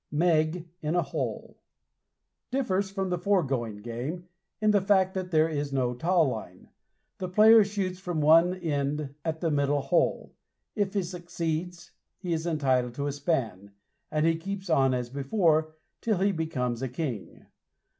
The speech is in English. MEG IN A HOLE differs from the foregoing game, in the fact that there is no taw line. The player shoots from one end at the middle hole. If he succeeds, he is entitled to a span, and he keeps on as before till he becomes a king.